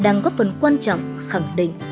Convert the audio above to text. đang góp phần quan trọng khẳng định